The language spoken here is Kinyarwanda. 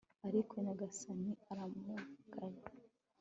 ariko nyagasani aramugaya